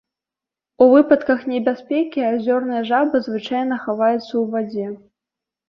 У выпадках небяспекі азёрная жаба звычайна хаваецца ў вадзе.